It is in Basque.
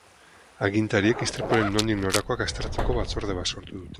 Agintariek istripuaren nondik norakoak aztertzeko batzorde bat sortu dute.